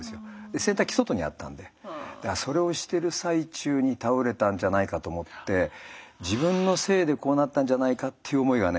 洗濯機外にあったんでだからそれをしてる最中に倒れたんじゃないかと思って自分のせいでこうなったんじゃないかっていう思いがね